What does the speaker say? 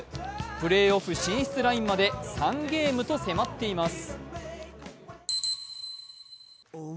プレーオフ進出ラインまで３ゲームと迫っています。